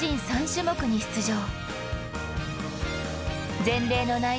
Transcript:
３種目に出場。